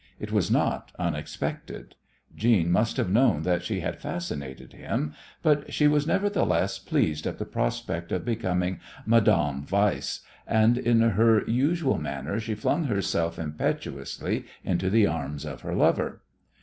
It was not unexpected. Jeanne must have known that she had fascinated him, but she was nevertheless pleased at the prospect of becoming Madame Weiss, and in her usual manner she flung herself impetuously into the arms of her lover.